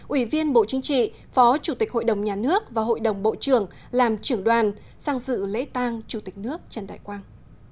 ủy viên bộ chính trị phó chủ tịch hội đồng nhà nước và hội đồng bộ trưởng làm trưởng đoàn sang dự lễ tang chủ tịch nước trần đại quang